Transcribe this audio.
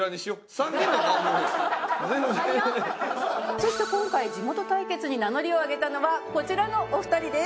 そして今回地元対決に名乗りを上げたのはこちらのお二人です。